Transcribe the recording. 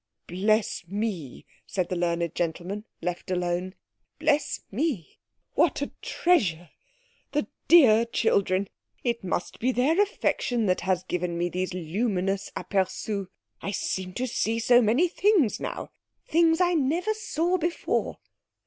"Bless me!" said the learned gentleman, left alone, "bless me! What a treasure! The dear children! It must be their affection that has given me these luminous aperçus. I seem to see so many things now—things I never saw before!